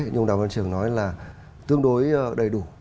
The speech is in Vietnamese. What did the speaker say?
như ông đào văn trường nói là tương đối đầy đủ